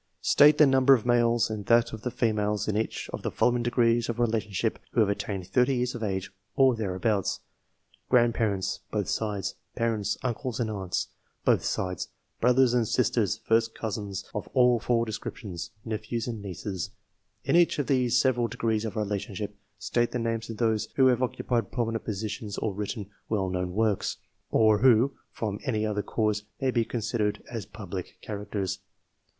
State the number of males and that of the females in each of the following degrees, of relationship who have attained 30 years of age, or thereabouts :— Grand parents, both sides; parents, uncles and aunts, both sides ; brothers and sisters ; first cousins of all four descriptions ; nephews and nieces. In each of these several degrees of relationship, state the names of those who have occupied prominent positions or written well known works, or who from any other cause may be considered as public characters.